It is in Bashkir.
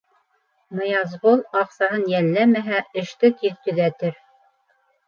Ныязғол, аҡсаһын йәлләмәһә, эште тиҙ төҙәтер.